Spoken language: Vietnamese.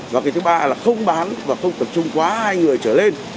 và cái thứ ba là không bán và không tập trung quá hai người trở lên